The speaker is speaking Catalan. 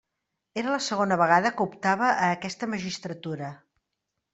Era la segona vegada que optava a aquesta magistratura.